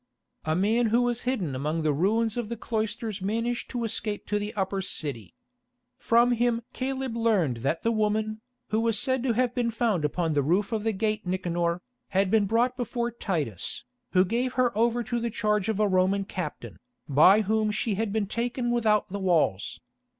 A man who was hidden among the ruins of the cloisters managed to escape to the Upper City. From him Caleb learned that the woman, who was said to have been found upon the roof of the gate Nicanor, had been brought before Titus, who gave her over to the charge of a Roman captain, by whom she had been taken without the walls.